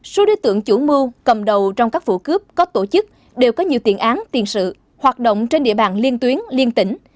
số đối tượng chủ mưu cầm đầu trong các vụ cướp có tổ chức đều có nhiều tiền án tiền sự hoạt động trên địa bàn liên tuyến liên tỉnh